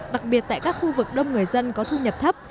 đặc biệt tại các khu vực đông người dân có thu nhập thấp